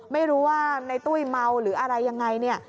ไม่รู้ว่าในตุ้ยเมาหรืออะไรยังไงเนี่ย